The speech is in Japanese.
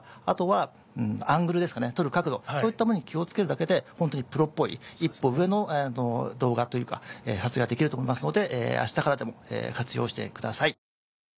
そういったものに気を付けるだけでホントにプロっぽい一歩上の動画というか撮影ができると思いますので明日からでも活用してください。